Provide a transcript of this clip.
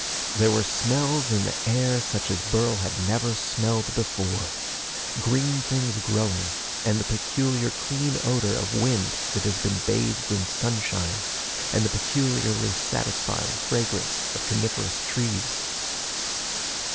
There were smells in the air such as Burl had never smelled before green things growing, and the peculiar clean odor of wind that has been bathed in sunshine, and the peculiarly satisfying fragrance of coniferous trees.